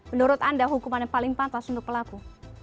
menurut anda hukuman yang paling pantas untuk pelaku